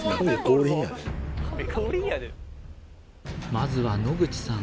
まずは野口さん